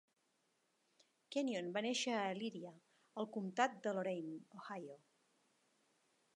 Kenyon va néixer a Elyria, al comtat de Lorain, Ohio.